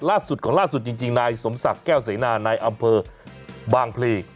ล่าสุดของล่าสุดจริงนายสมศักดิ์แก้วเสนานายอำเภอบางพลี